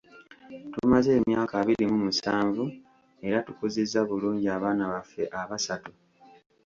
Tumaze emyaka abiri mu musanvu era tukuzizza bulungi abaana baffe abasatu.